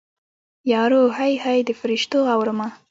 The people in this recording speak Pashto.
یارو هی هی د فریشتو اورمه